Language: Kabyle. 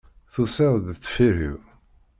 Tusiḍ-d deffir-iw.